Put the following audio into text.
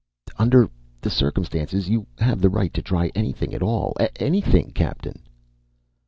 "Under the circumstances, you have the right to try anything at all. Anything, Captain!"